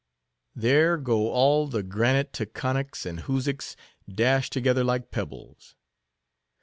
There go all the granite Taconics and Hoosics dashed together like pebbles.